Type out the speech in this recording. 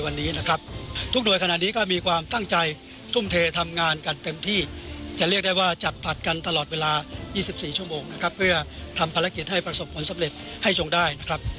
สนุนโดยเครื่องดื่มมีประโยชน์ปรุงอาหาร